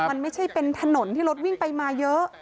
มันไม่ใช่เป็นถนนที่รถวิ่งไปมาเยอะ